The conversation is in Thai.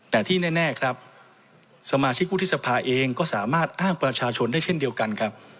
แต่ที่แน่ครับสมาชิกวุฒิสภาเองก็สามารถอ้างประชาชนได้เช่นเดียวกันครับ